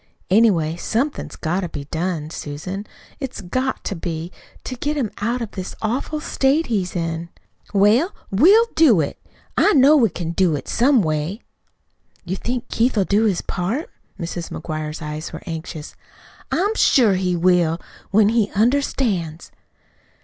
Anyway, somethin's got to be done, Susan it's GOT to be to get him out of this awful state he's in." "Well, we'll do it. I know we can do it some way." "You think Keith'll do his part?" Mrs. McGuire's eyes were anxious. "I'm sure he will when he understands."